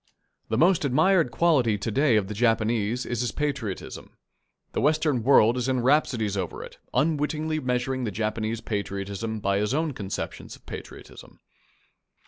The most admired quality to day of the Japanese is his patriotism. The Western world is in rhapsodies over it, unwittingly measuring the Japanese patriotism by its own conceptions of patriotism.